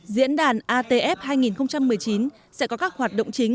diễn đàn atf hai nghìn một mươi chín sẽ có các hoạt động chính